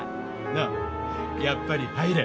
のうやっぱり入れ。